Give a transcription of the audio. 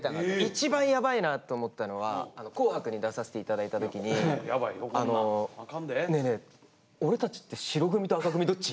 一番やばいなと思ったのは「紅白」に出させていただいた時に「ねえねえ俺たちって白組と紅組どっち？」